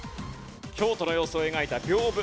京都の様子を描いた屏風。